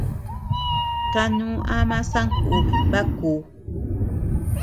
Kanú ama sankubi bakú.